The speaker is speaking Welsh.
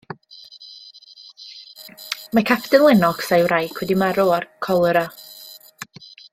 Mae Capten Lennox a'i wraig wedi marw o'r colera.